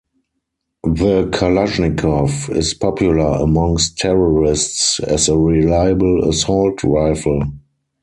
The Kalashnikov is popular amongst terrorists as a reliable assault rifle.